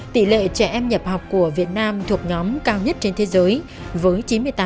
tỷ lệ trẻ em nhập học của việt nam thuộc nhóm cao nhất trên thế giới với chín mươi tám